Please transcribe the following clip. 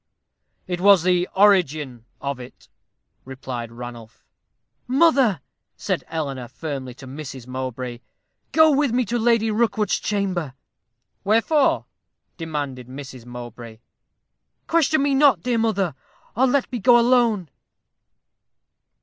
"It was the origin of it," replied Ranulph. "Mother," said Eleanor, firmly, to Mrs. Mowbray, "go with me to Lady Rookwood's chamber." "Wherefore?" demanded Mrs. Mowbray. "Question me not, dear mother, or let me go alone."